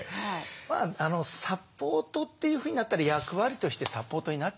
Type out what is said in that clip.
まあサポートというふうになったり役割としてサポートになっちゃうんですけれども